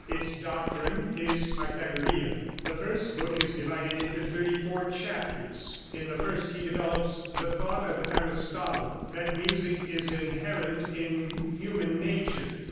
Its doctrine is Pythagorean. The first book is divided into thirty four chapters. In the first he develops the thought of Aristotle, that music is inherent in human nature.